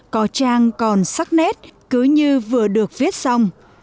có trang còn sắc nét cứ như vừa được viết xong